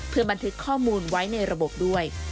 เพื่อบันทึกข้อมูลไว้ในระบบด้วย